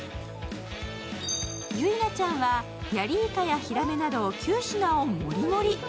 ゆいなちゃんはやりいかやひらめなど９品を盛り盛り。